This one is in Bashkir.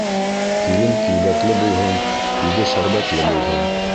Килен килбәтле булһын, һүҙе шәрбәтле булһын!